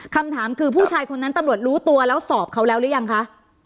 คำถามคือผู้ชายคนนั้นตำรวจรู้ตัวแล้วสอบเขาแล้วหรือยังคะ